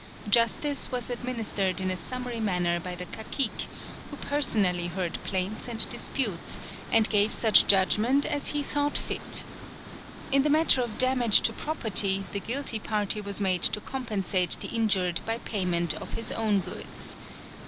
Justice was administered in a summary manner by the cacique, who personally heard plaints and disputes and gave such judgment as he thought fit. In the matter of damage to property the guilty party was made to compensate the injured by payment of his own goods.